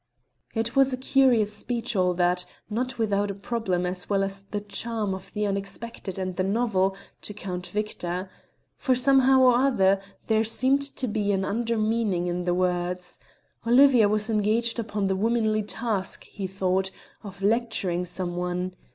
It was a curious speech all that, not without a problem, as well as the charm of the unexpected and the novel, to Count Victor. For, somehow or other, there seemed to be an under meaning in the words; Olivia was engaged upon the womanly task he thought of lecturing some one.